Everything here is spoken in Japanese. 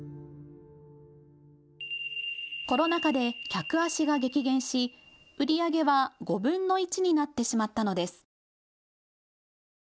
コロナ禍で客足が激減し売り上げは５分の１になってしまったのです。